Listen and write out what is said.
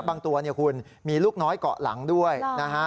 ตัวเนี่ยคุณมีลูกน้อยเกาะหลังด้วยนะฮะ